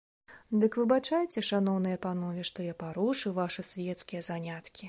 Дык выбачайце, шаноўныя панове, што я парушыў вашы свецкія заняткі.